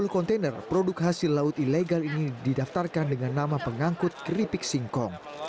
sepuluh kontainer produk hasil laut ilegal ini didaftarkan dengan nama pengangkut keripik singkong